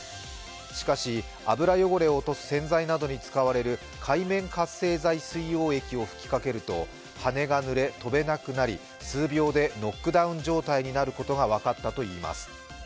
しかし油汚れを落とす洗剤などに使われる、界面活性剤水溶液を吹きかけると羽がぬれ、飛べなくなり、数秒でノックダウン状態になることが分かったといいます。